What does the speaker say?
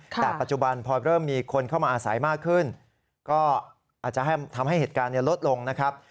แต่ปัจจุบันพอเริ่มมีคนเข้ามาอาศัยมากขึ้นก็อาจจะทำให้เหตุการณ์ลดลงนะครับ